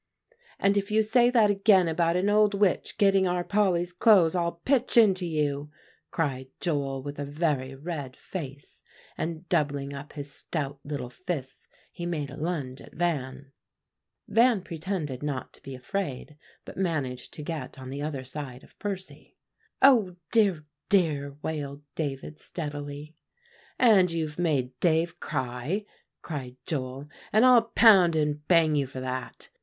"And if you say that again about an old witch getting our Polly's clothes, I'll pitch into you," cried Joel with a very red face; and doubling up his stout little fists, he made a lunge at Van. Van pretended not to be afraid, but managed to get on the other side of Percy. "Oh, dear dear!" wailed David steadily. "And you've made Dave cry," cried Joel; "and I'll pound and bang you for that."